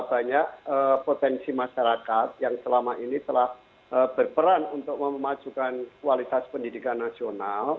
banyak potensi masyarakat yang selama ini telah berperan untuk memajukan kualitas pendidikan nasional